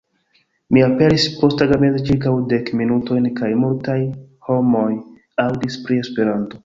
Mi aperis posttagmeze ĉirkaŭ dek minutojn, kaj multaj homoj aŭdis pri Esperanto.